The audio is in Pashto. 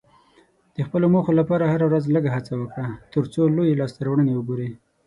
د خپلو موخو لپاره هره ورځ لږه هڅه وکړه، ترڅو لویې لاسته راوړنې وګورې.